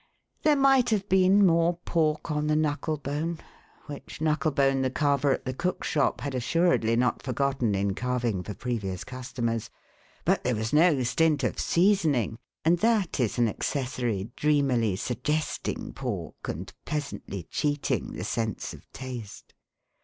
There might have been more pork on the knucklebone, — which knucklebone the carver at the cook's shop had assuredly not forgotten in carving for previous customers — but there was no stint of seasoning, and that is an accessory dreamily suggesting pork, and pleasantly cheating the sense of taste.